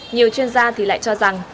nhiều chuyên gia thì lại cho rằng